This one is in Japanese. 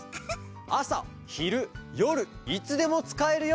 あさひるよるいつでもつかえるよ！